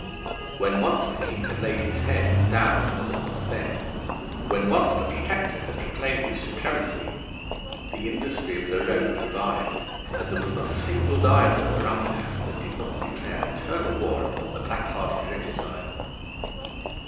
When once the King had laid his head 'down as upon a bed,' when once the Protector had proclaimed his supremacy, the industry of the road revived; and there was not a single diver or rumpad that did not declare eternal war upon the black hearted Regicides.